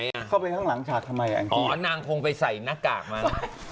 อยู่ข้างล่างขึ้นมา